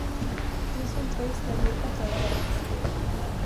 Es un pez de aletas radiadas.